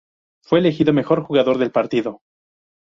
Fue elegido "mejor jugador" del partido.